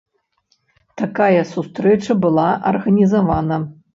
Такая сустрэча была арганізавана.